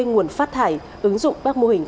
nguồn phát thải ứng dụng các mô hình